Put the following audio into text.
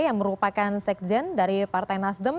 yang merupakan sekjen dari partai nasdem